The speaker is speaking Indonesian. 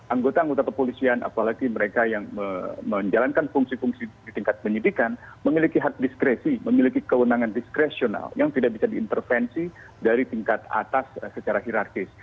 anggota anggota kepolisian apalagi mereka yang menjalankan fungsi fungsi di tingkat penyidikan memiliki hak diskresi memiliki kewenangan diskresional yang tidak bisa diintervensi dari tingkat atas secara hirarkis